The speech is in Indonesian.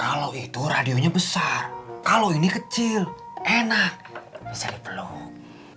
kalau itu radionya besar kalau ini kecil enak bisa dipeluk